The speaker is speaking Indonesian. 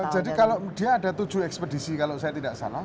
jadi kalau dia ada tujuh ekspedisi kalau saya tidak salah